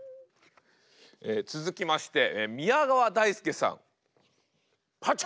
え続きまして宮川大輔さん。